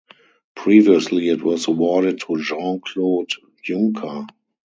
Previously it was awarded to Jean-Claude Juncker.